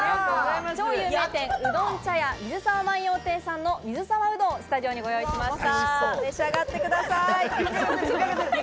超有名店、うどん茶屋水沢万葉亭の水沢うどんをご用意しました。